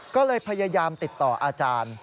ก็เลยพยายามติดต่ออาจารย์